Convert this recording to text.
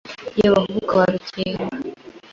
Ye Bahubuka ba Rukenga